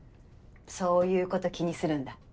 そういうこと気にするんだ。